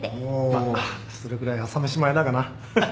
まあそれぐらい朝飯前だがな。